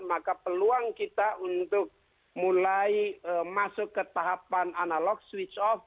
maka peluang kita untuk mulai masuk ke tahapan analog switch off